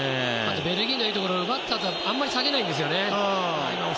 ベルギーのいいところ奪ったあとにあまり下げないんですよね。